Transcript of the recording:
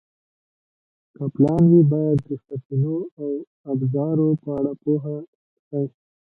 که پلان وي، باید د سرچینو او ابزارو په اړه پوه شئ.